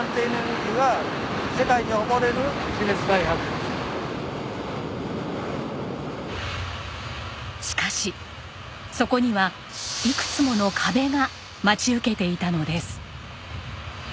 やはりしかしそこにはいくつもの壁が待ち受けていたのです。